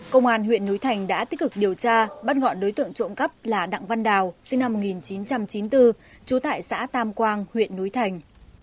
công an huyện núi thành đã tích cực điều tra bắt gọn đối tượng trộm cắp là đặng văn đào sinh năm một nghìn chín trăm chín mươi bốn trú tại xã tam quang huyện núi thành